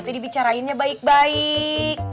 tadi dibicarainnya baik baik